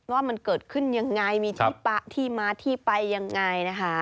ว่ามันเกิดขึ้นยังไงมีที่มาที่ไปยังไงนะคะ